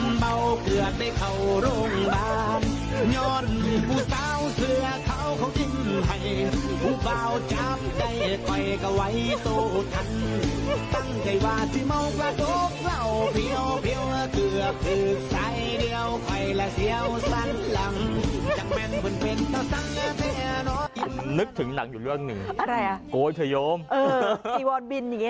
นึกถึงหนังอยู่เรื่องหนึ่งอะไรอ่ะโกยเถยมเอออีวอลบินอย่างเงี้ย